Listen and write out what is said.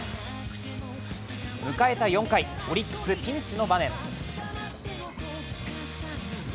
迎えた４回、オリックス、ピンチの場面。